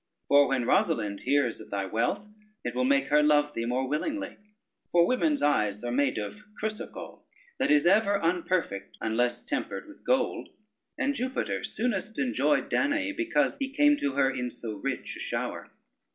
For when Rosalynde hears of thy wealth, it will make her love thee the more willingly: for women's eyes are made of Chrysocoll, that is ever unperfect unless tempered with gold, and Jupiter soonest enjoyed Danaë, because he came to her in so rich a shower.